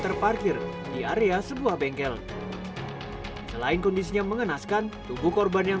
terparkir di area sebuah bengkel selain kondisinya mengenaskan tubuh korban yang